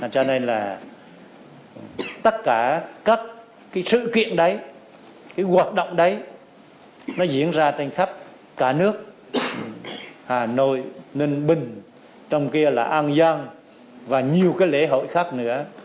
cho nên là tất cả các cái sự kiện đấy cái hoạt động đấy nó diễn ra trên khắp cả nước hà nội ninh bình trong kia là an giang và nhiều cái lễ hội khác nữa